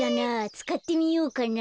つかってみようかな。